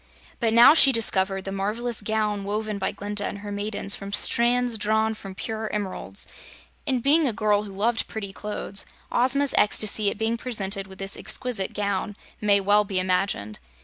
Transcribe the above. But now she discovered the marvelous gown woven by Glinda and her maidens from strands drawn from pure emeralds, and being a girl who loved pretty clothes, Ozma's ecstasy at being presented with this exquisite gown may well be imagined.